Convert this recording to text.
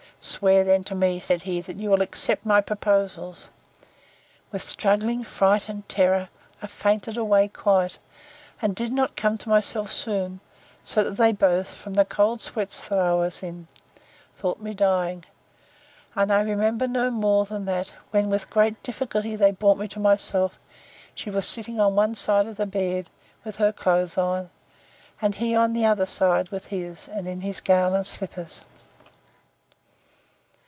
—Swear then to me, said he, that you will accept my proposals! With struggling, fright, terror, I fainted away quite, and did not come to myself soon, so that they both, from the cold sweats that I was in, thought me dying.—And I remember no more, than that, when with great difficulty they brought me to myself, she was sitting on one side of the bed, with her clothes on; and he on the other with his, and in his gown and slippers.